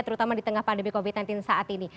terutama di tengah pandemi covid sembilan belas saat ini